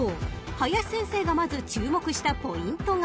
［林先生がまず注目したポイントが］